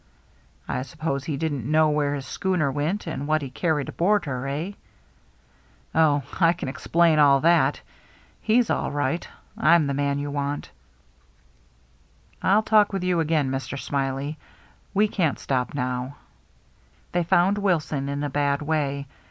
" I suppose he didn't know where his schooner went and what he carried aboard her, eh?" HARBOR LIGHTS 375 " Oh, I can explain all that. He's all right. I'm the man you want." "I'll talk with you again, Mr. Smiley. We can't stop now." They found Wilson in a bad way. Mrs.